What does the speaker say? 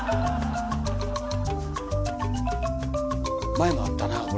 前もあったなこれ。